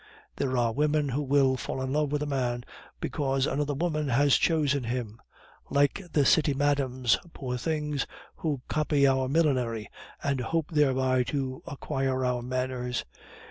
There are women who will fall in love with a man because another woman has chosen him; like the city madams, poor things, who copy our millinery, and hope thereby to acquire our manners.